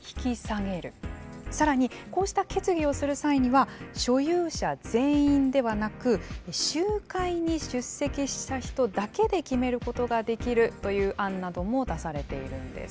更にこうした決議をする際には所有者全員ではなく集会に出席した人だけで決めることができるという案なども出されているんです。